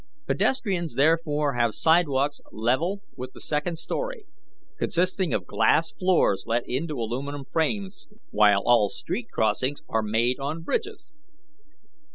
Pedestrians therefore have sidewalks level with the second story, consisting of glass floors let into aluminum frames, while all street crossings are made on bridges.